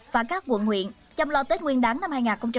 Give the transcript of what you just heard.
và các quận huyện chăm lo tết nguyên đáng năm hai nghìn hai mươi